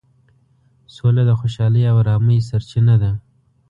سوله د خوشحالۍ او ارامۍ سرچینه ده.